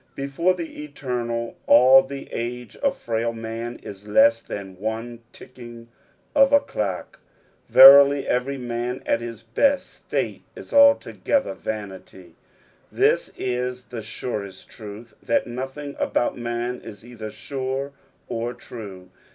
Before the Eternal, all the age of frail man is leaa than one ticking of a clock. " Verily, every man at hit beet ttateitiUiogethervanit]/." This is the surest truth, that nothing about man is either sure or true.